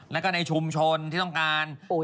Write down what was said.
แล้วก็ในชุมชนที่ต้องการ